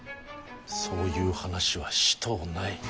そういう話はしとうない。